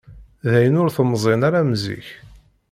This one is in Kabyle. Dayen, ur temẓim ara am zik.